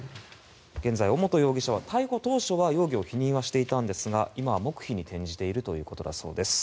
現在、尾本容疑者は逮捕当初は否認をしていたんですが今は黙秘に転じているということだそうです。